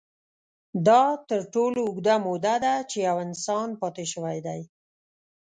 دا تر ټولو اوږده موده ده، چې یو انسان پاتې شوی دی.